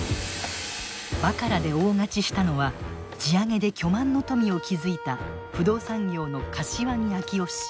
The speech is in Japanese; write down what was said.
バカラで大勝ちしたのは地上げで巨万の富を築いた不動産業の柏木昭男氏。